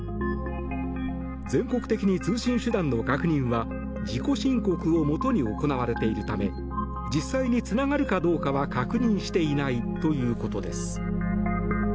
全国的に通信手段の確認は自己申告をもとに行われているため実際につながるかどうかは確認していないということです。